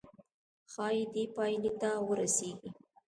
ښايي دې پايلې ته ورسيږئ.